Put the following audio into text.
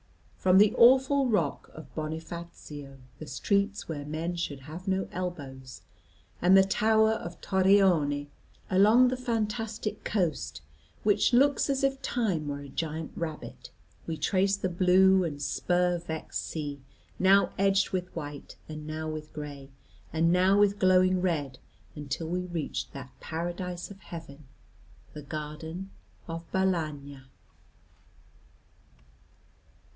From the awful rock of Bonifazio, the streets where men should have no elbows, and the tower of Torrione, along the fantastic coast which looks as if time were a giant rabbit, we traced the blue and spur vexed sea, now edged with white, and now with gray, and now with glowing red, until we reached that paradise of heaven, the garden of Balagna.